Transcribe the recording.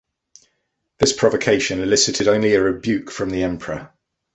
This provocation elicited only a rebuke from the emperor.